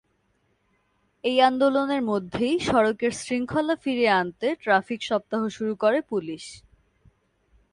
এই আন্দোলনের মধ্যেই সড়কের শৃঙ্খলা ফিরিয়ে আনতে ট্রাফিক সপ্তাহ শুরু করে পুলিশ।